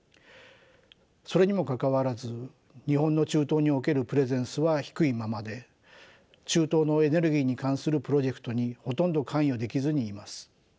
それにもかかわらず日本の中東におけるプレゼンスは低いままで中東のエネルギーに関するプロジェクトにほとんど関与できずにいます。